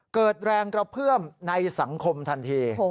เกิดแรงกระเพื่อมในสังคมทันที